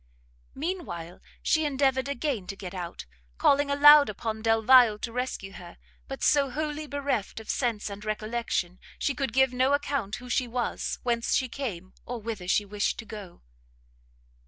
Mean while she endeavoured again to get out, calling aloud upon Delvile to rescue her, but so wholly bereft of sense and recollection, she could give no account who she was, whence she came, or whither she wished to go.